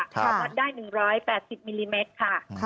พอวัดได้๑๘๐มิลลิเมตรค่ะ